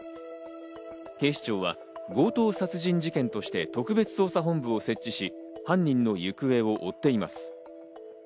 警視庁は強盗殺人事件として特別捜査本部を設置し、犯人の行方を追っています。